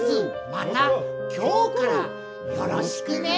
また今日からよろしくね。